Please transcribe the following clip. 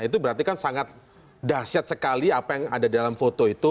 itu berarti kan sangat dahsyat sekali apa yang ada di dalam foto itu